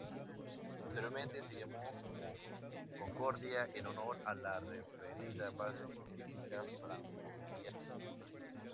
Posteriormente, se llamó domo Concordia en honor a la referida base científica francoitaliana.